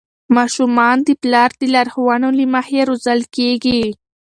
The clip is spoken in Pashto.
ماشومان د پلار د لارښوونو له مخې روزل کېږي.